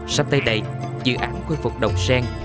sắp tới đây dự án khôi phục đồng sen